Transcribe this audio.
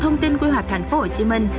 thông tin quy hoạch thành phố hồ chí minh